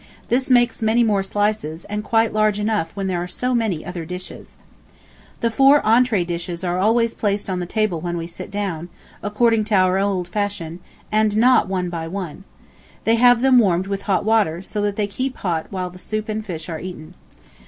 This makes many more slices, and quite large enough where there are so many other dishes. The four entrée dishes are always placed on the table when we sit down, according to our old fashion, and not one by one. They have [them] warmed with hot water, so that they keep hot while the soup and fish are eaten.